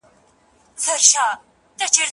نن به واخلي د تاریخ کرښي نومونه